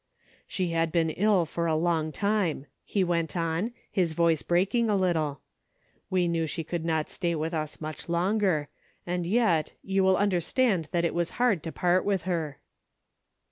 " She had been ill for a long time," he went on, his voice breaking a little, " we knew she could not stay with us much longer, and yet, you Avill understand that it was hard to part with her."